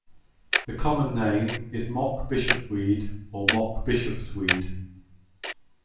The common name is mock bishopweed or mock bishop's weed.